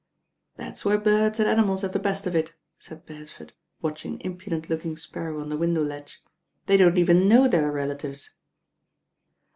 "That's where birds and animals have the best of it," said Beresford, watching an impudent looking sparrow on the window ledge. "They don't even know their relatives."